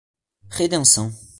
Redenção